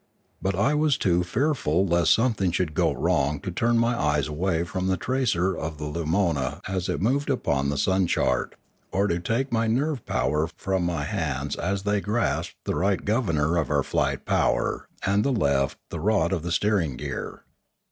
But I was too fearful lest something should go wrong to turn my eyes away from the tracer of the lumona as it moved upon the sun chart, or to take my nerve power from my hands as they grasped, the right the governor of our flight power and the left the rod of the steering gear.